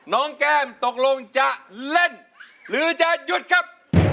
แก้มตกลงจะเล่นหรือจะหยุดครับ